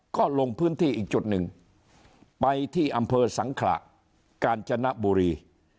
ก็ลงพื้นที่อีกจุดหนึ่งไปที่อำเภอสังขระกาญจนบุรี